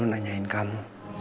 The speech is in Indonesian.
dia selalu nanyain kamu